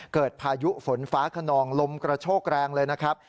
พายุฝนฟ้าขนองลมกระโชกแรงเลยนะครับ